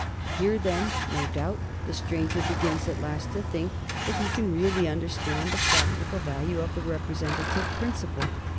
Here then, no doubt, the stranger begins at last to think that he can really understand the practical value of the representative principle.